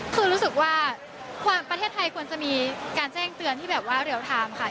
คือรู้สึกว่าประเทศไทยควรจะมีการแจ้งเตือนที่แบบว่าเรียลไทม์ค่ะ